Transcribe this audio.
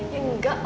ya enggak lah